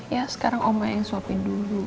ya sekarang omel yang suapin dulu